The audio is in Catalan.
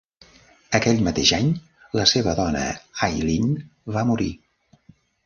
Aquell mateix any, la seva dona Eileen va morir.